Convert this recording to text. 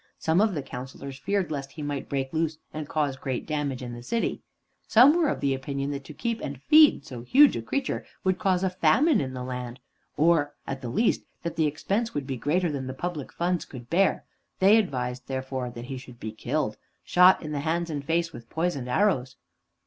Some of the councilors feared lest he might break loose and cause great damage in the city. Some were of opinion that to keep and feed so huge a creature would cause a famine in the land, or, at the least, that the expense would be greater than the public funds could bear; they advised, therefore, that he should be killed shot in the hands and face with poisoned arrows.